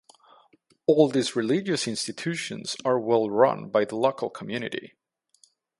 All these religious institutions are well run by the local community.